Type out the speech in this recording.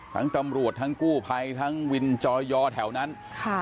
ตำรวจทั้งกู้ภัยทั้งวินจอยอแถวนั้นค่ะ